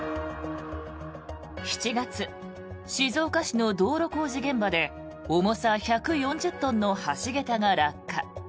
７月、静岡市の道路工事現場で重さ１４０トンの橋桁が落下。